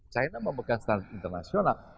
china memegang standar internasional